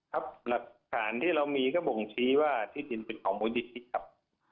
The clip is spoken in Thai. ครับหลักฐานที่เรามีก็บ่งชี้ว่าที่ดินเป็นของมูลนิธิครับ